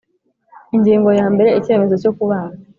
Ingingo ya mbere Icyemezo cyo kubana